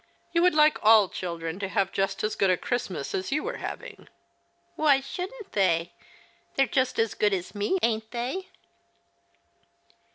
You would like all children to have just as good a Christmas as you are having." " Why shouldn't they ? They're just as good as me, ain't they